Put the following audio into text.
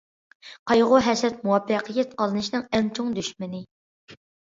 قايغۇ- ھەسرەت مۇۋەپپەقىيەت قازىنىشنىڭ ئەڭ چوڭ دۈشمىنى.